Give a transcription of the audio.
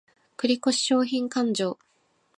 繰越商品勘定